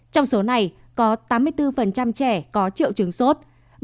trong số này có tám mươi bốn trẻ có triệu chứng sốt